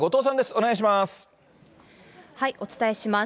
お願いします。